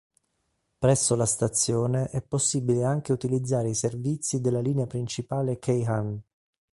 Presso la stazione è possibile anche utilizzare i servizi della linea principale Keihan.